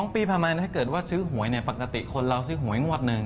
๔๒ปีประมาณถ้าเกิดว่าซื้อหวยเนี่ยปกติคนเราซื้อหวยงวดนึง